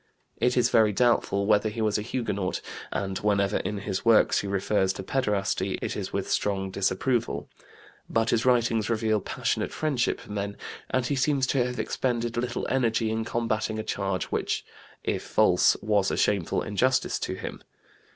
It is very doubtful whether he was a Huguenot, and whenever in his works he refers to pederasty it is with strong disapproval. But his writings reveal passionate friendship for men, and he seems to have expended little energy in combating a charge which, if false, was a shameful injustice to him.